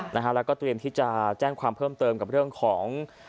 แล้วก็เตรียมที่จะแจ้งความเพิ่มเติมกับเรื่องของ